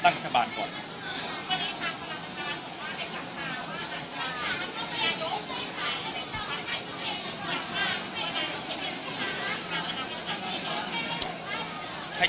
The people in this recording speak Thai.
คุณคิดเรื่องนี้ได้ไหม